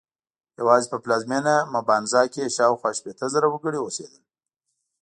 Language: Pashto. یوازې په پلازمېنه مبانزا کې یې شاوخوا شپېته زره وګړي اوسېدل.